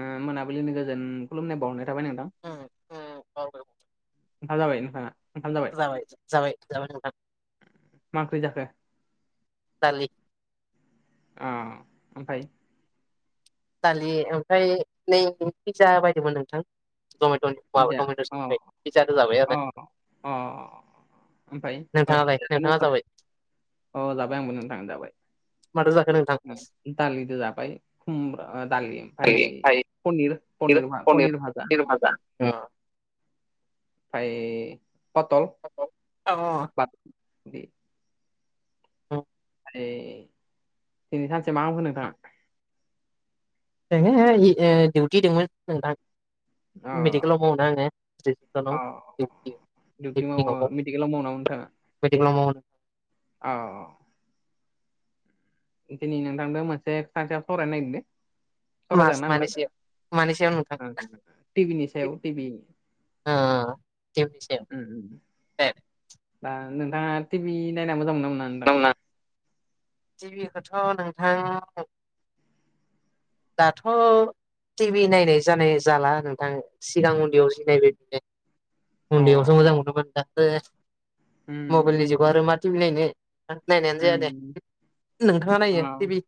उम मोनाबिलिनि गोजोन खुलुमनाय बावहरनाय थाबाय नोंथां। उम उम [unintelligible] [inaudible] जाबाय जाबाय जाबाय नोंथां। मा ओंख्रि जाखो? दालि। ओ ओमफ्राय दालि ओमफ्राय नै पिज्जा बायदोंमोन नोंथां जमेट'नि पिटज्जा अ अ अ ओमफ्राय [unintelligible] अ जाबाय आंबो नथां जाबाय माथो जाखोनो? दालिदो जाबाय खुमरा दालि फाय पनिर पनिर भा पनिर भाजा फाय पटल औ ओ अ बा औ फाय दिनै सानसे मा ख्लामखो नोंथाङा? दिउटि दंमोन नोंथां। [inaudible] मेडिकेलाव मावो आङो [unintelligible] दिउति मावो मेदिकेलाव मावो नामा नोंथाङा? मेदिकेलाव माववो। औ दिनै नोंथांनो मोनसे खोथानि सायाव सावरायनो नागिरदों सरायजागोना नोंथां? टिभिनि सायाव टिभि ओ टिभिनि सायाव ओ दा नोंथाङा टि भि नायना मोजां मोनो मोना नोंथां? ना टिभिखौथ' नोंथां दाथ' टिभि नायनाय जानाय जाला नोंथां सिगां उन्दैयाव जि नायबाय बिनो। उन्दैयावसो मोजां मोनोमोन दाथो मबाइलनि जुगाव आरो मा टिभि नायनो। आं नायनायानो जाया दे नोंथाङा नायो टिभि?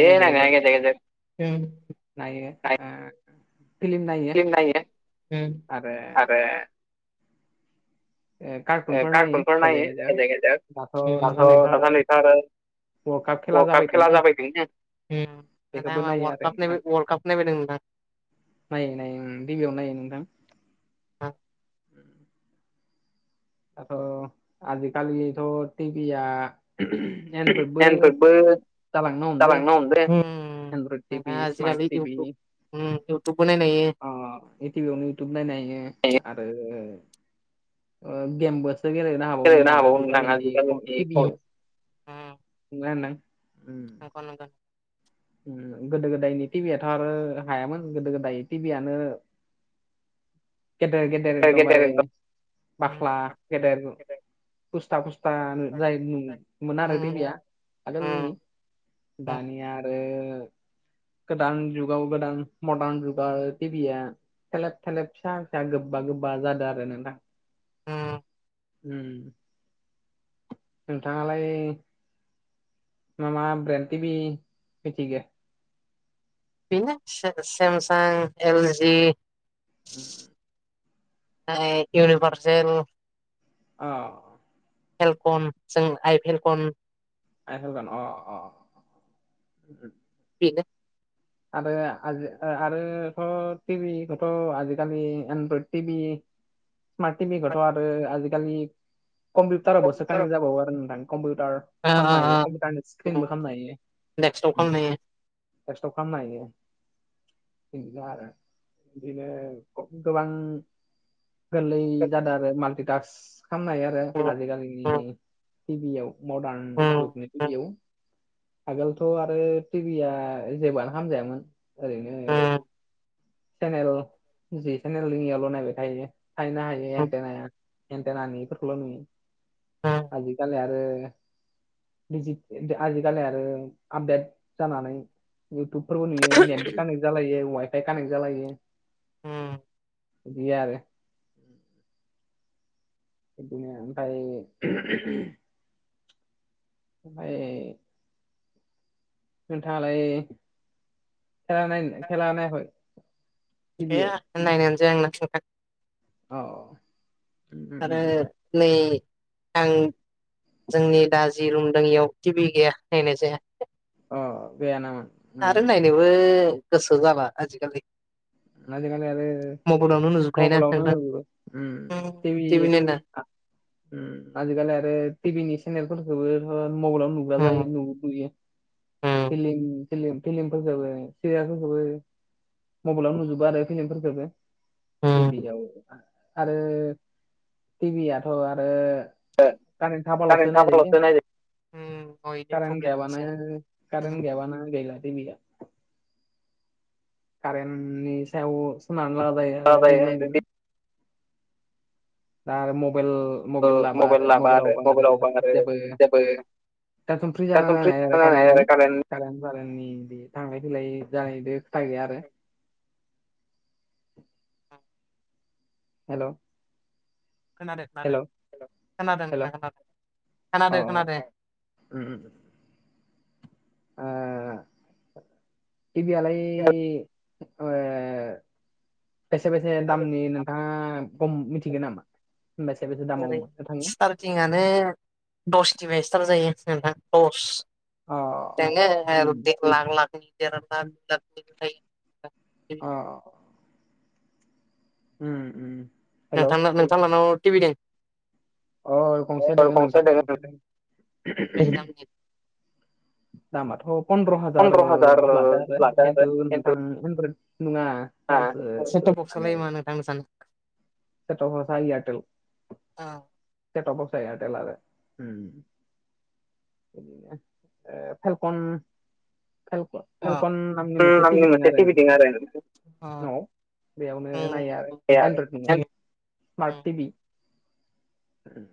दे नायनो हायो जे जे हम नायो ओ फिलिम नायो आरो ओ कारतुनफोर नायो गेजेर गेजेर उम दाथ' सानखा नैसा आरो वल काप खेला जाबायदोंनो। उम नाथाय आं वर काप वल कापसो नायबाय दं नोंथां। नायो नायो उम टिभिआवनो नायो नोंथां। दाथ' आजिखालिथ' टिभिया जेनफोरबो जालांनो हमदो। Android TV smart TV अ ए टिभिवनो इउटुब नायनो हायो आरो ओ गेमबोसो गेलेनो हाबावो नोंथाङा आजिखालिनि टिभिआव। नंगौना नोंथां आंख' नांगोन उम गोदो गोदायनि टिभियाथ' आरो हायामोन गोदो गोदायनि टिभिआनो गेदेर गेदेर एदमबारे बाखला गेदेर खुस्था खुस्था जाय नुं मोन आरो टिभिया आगोलनि दानिया आरो गोदान जुगाव गोदान मर्दान जुगाव टि भि आ थेलेब थेलेब फिसा फिसा गोबा गोबा जादो आरो नोंथां। उम उम नोंथाङालाय मा मा ब्रेन्ट टि भि मिथिगो? बेनो से-सेमसां एलजि [inaudible] [unintelligible] इउनिभारसेल अ भेलकन जों आइभेलकन आइभेलकन अ अ बिनो आरो आजो ओ आरो आरोथ' टि भि खोथ' आजिखालि android TV smart TV खोथ' आरो आजिकालि कम्पिउटारावबोसो कानेक्ट जाबावो आरो नोंथां कम्पिउटार खामनो हायो कम्पिउटारनि स्क्रिनबो खामनो हायो डेक्सटआवाव खामनाहायो खामना हायो दा बिनो आरो बिदिनो गोबां गोरलै जादो आरो माल्टिटास्क खामनो हायो आरो आजिखालिनि टि भि याव मदार्न जुगनि टिभियाव आगोलथ' आरो टि भि या जेबोआनो हामजायामोन ओरैनो चेनेल जि सेनेल दों इयावल' नायबाय थायो थायनो हायो एन्टया- एन्टेनानि फोर ल' नुयो आजिकालि आरो दिजिट आजिकालि आरो आपडेट जानानै इउटुब फोरबो नुयो नेटबो कानेक्ट जालायो वाइफाइ कानेक्ट जालायो उम बिदि आरो बिदिनो ओमफाय ओमफाय नोंथाङालाय खेला नायन खेला नायाखै गैया नायनायानो जाया आंना खेला औ आरो नै आं जोंनि दा जि रुम दों इयाव टिभि गैया नायनाय जाया अ बेया नाङा उम जेबो गोसो जाला आजिखालि आ आरो मबाइलाव नुजोबो उम तिबि उम आजिकालि आरो टि भि नि सेनेलफोरखौबोथ' मबाइलावनो नुग्रा जायो नु-नुयो [inaudible] फिलिम फिलिम फिलिमफोरखोबो सिरियालफोरखोबो मबाइलाव नुजोब जोबो आरो फिलिमफोरखोबो तिभिदाव आरो टिभियाथ' आरो कारेन्ट थाबाल'सो नायजायो कारेन्ट गैयाबानो कारेन्ट गैयाबानो गैला टि भि निया कारेन्टेनि सायाव सोनारनो ला जायो आरो टि भि नायनोबो दा आरो मबेल मबेल लाबा आरो मबेलावबा आरो जेबो एकदम फ्रि जाना नायनो हायो आरो कारेननि कारेन फारेननि बि थांलाय फैलाय जानायजो खोथा गैया आरो हेलौ खोनादो खोनादों खोनादों नोंथां खोनादों खोनादों खोनादों उम आ टि बि यालाय ओ बेसे बेसे दामनि नोंथाङा गम मिथिगो नामा? बेसे बेस ओरै स्टार्टिंनो दसनिफ्राय स्टार्ट जायो नोंथां दस जोङो आरो दि लाक लाकनि [unintelligible] अ उम उम नोंथां नोंथां लानाव टिभिदोंं अ गंसे दङ नोंथां गंसे दों दामा थ' फन्द्र' हाजार लादों आरो किनतु नोंथां नङा [unintelligible] सेथ बक्सलायोमा नोंथांनो सानो सेथ' हसा इयारटेल ओ सेटबकसा इयारटेल आरो उम बिदिनो ओ फेलकन फेलकन फेलकन नामनि मोनसे टिभिदिं आरो न'वाव बेयावनो नायो आरो एनड्रइडनि स्मार्ट टिभि उम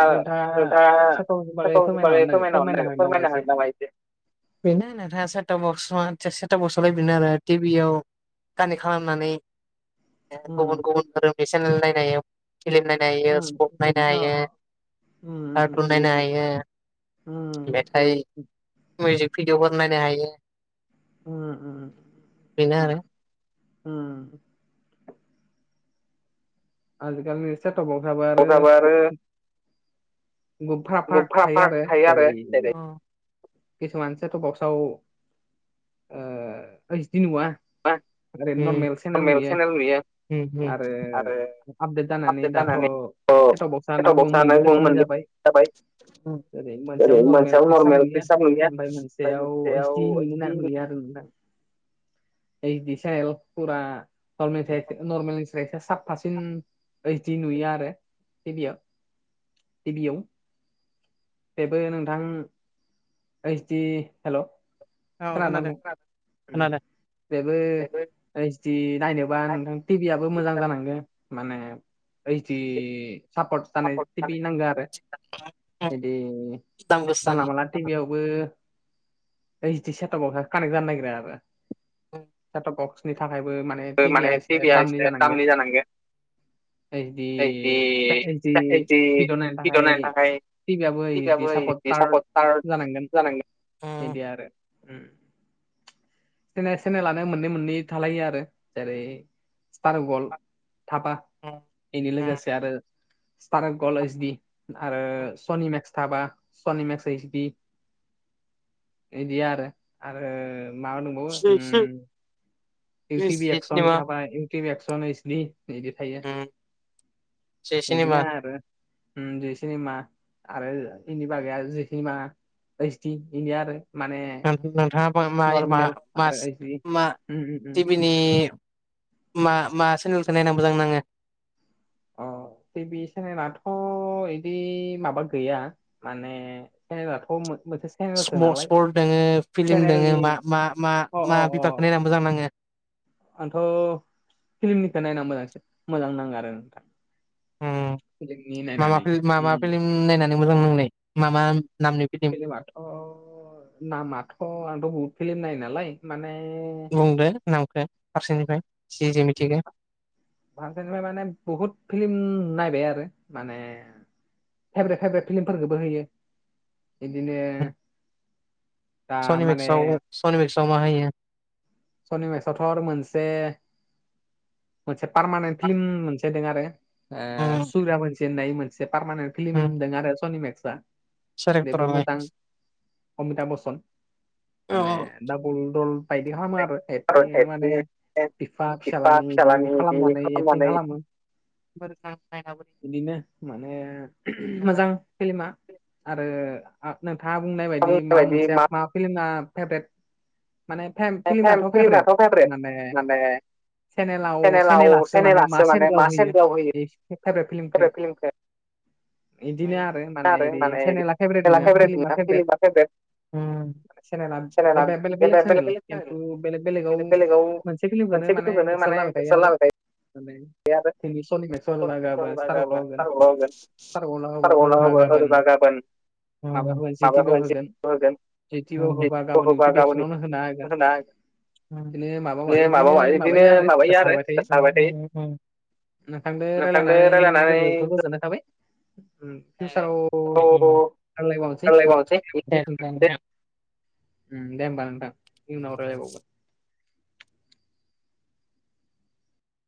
नोंथाङा सफाल फोरमायना हरोन फोरमायनो हाग [unintelligible] बेनो नोंथाङा सेत'बक्श बा सेत'बक्शलाय बेनो आरो टिभियाव [unintelligible] कानेक खालामनानै गुबुन गुबुन धोरोमनि चेनेल नायो फिलीम नायनो हायो स्पर्ट नाय नायनो हायो कार्टुन नायनो हायो मेथाइ मिउजिक भिडिअफोर नायनो हायो उम उम उम आजिखालिनि सेत'बक्शाबो आरो गुब फ्रा फ्रा थायो आरो जेरै किसुमान सेत'बक्शाव ओ ओइस डि नुवा ओरैनो नरमेल सेेनेल नुयो आरो आपडेट जानानै दाथ' सेत'बक्शानो मोननै रोखोमनि जाबाय ओरै मोनसेयाव नर्मेल पिक्सार नुयो आरो ओमफ्राय मोनसेयाव ओइसडि नुनो नुयोमोन‌ आरो आरो नोंथां टिभि सेनेलफोरा [unintelligible] नर्मेलिस स्राइस साफासिन ओइसडि नुयो आरो टिभि आ टिभियाव बेबो नोंथां ओइसडि हेल' खोनादोंना नोंथां ओइसडि नायनोबा नोंथां टिभि आबबो मोजां जानांगो माने ओइडि सापर्ट जानाय थि बि नांगौ आरो बिदि जानला मानला टिभि आवबो ओइसडि सेत'बक्शा कानेकट जानो नागिरा आरो सेत'बक्श [unintelligible] नि थाखायबो माने टिभिआ एसे दामनि जानांगोन नाथाय इदि सा इदि भिदिय' नायनो थाखाय टिभि आबो बिदि सापर्टार जानांगोन इदि आरो चेने चेनेलानो मोननै मोननै थालायो आरो जेरै स्टार गल थाबा बेनि लोगोसे आरो स्टार गल ओइसडि आरो सनि मेक्स थाबा सनि मेक्स ओइसडि इदिया आरो आरो मा [unintelligible] [unintelligible] इउ टिभि एसन थाबाय इउ टिभि एसनस ओइसडि थायो इदिनो आरो उम जि सिनेमा आरो इनि बागैया जि सिनेमा ओइसडि इनिया आरो माने नोंथाङा मा मा मा [unintelligible] टिभि नि मा मा सेनेलजों नायना मोजां नाङो अ टिभि सेनेलाथ' बिदि माबा गैया माने चेनथ' मोन मोनसे सिम स्पर्ट दङो फिल्म दङो मा मा मा मा बिफागखौ नायनानै मोजां नाङो आंथ' फिल्मनिखौ नायना मोजां मोजां नाङो आरो। फिलिमनि नि नायनानै। उम उम नायनानै मोजां नांनाय? मा नामनि फ्लिमाथ' नामाथ' आंथ' बुहुद फिलम नायो नालाय माने बुंदो नामखो फारसेनिफ्राय जे जे मिथिगौ फारसेनिफ्राय माने बहुत फिल्म नायबाय आरो माने फेब्रेट फेब्रेट फिलिमफोरखौबो होयो बिदिनो सनि मेक्स सनि मेक्स आव मा हायो सनि मेक्सावथ' आरो मोनसे मोनसे पारमानेन्ट फिलिम मोनसेदों आरो ओ सुरा मोनसे होननाय मोनसे पार्मानेन्ट फिल्म होनदों आरो सनि मेक्सआ बेबो मोजां अमिताभ बच्चन माने दा बल दल बायदि खाम आरो एटिं माने बिफा फिस्लानि बिदि खालामनानै एकटिं खालामो [unintelligible] बिदिनो माने [unintelligible] मोजां फिलमा आरो नोंथाङा बुंनाय बायदि मा मोनसे मा फिलमा फेभरेट माने फिलमाथ' फेभरेट माने सेनेलाव सेनेलासो माने मा चेनन्देलाव होयो बे फेभ्रेट फिलमखौ बिदिनो आरो माने बिदि सेनेला फेभ्रेट नङा फिलिमा फेभ्रेट सेनला बेलेग बेलेग सेनेल खिन्थु बेलेग बेलेगाव मोनसे फिल्म खौनो माने गोसारलाबायखायो आरो मे [unintelligible] उम माबा मोनसे होगोन उम [unintelligible] होगोन होबा गाबोननि [unintelligible] [unintelligible] [unintelligible] बिदिनो माबायो आरो साबाय थायो नोंथांजों रायलायनानै थाबाय फिउसाराव रायलायबावनोसै दे होमबा नोंथां उनाव रायलायबावगोन